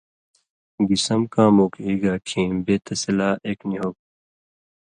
گی سم کام اوک ایگا کھیں بے تسی لا ایک نی ہوگ تھو۔